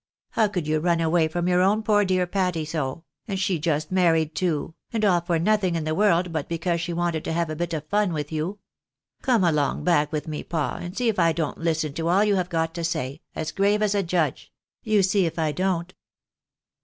How could you run away from your own poor dear Patty so ? and she just married too ! and all for nothing in the world but because she wanted to have a bit of fun with you ! Come along back with me pa, and see if I don't listen to all you have got to say, as grave as a judge. You see if I don't."